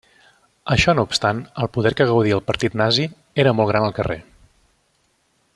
Això no obstant, el Poder que gaudia el partit nazi era molt gran al carrer.